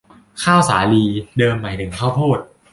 ข้าวสาลี เดิมหมายถึงข้าวโพด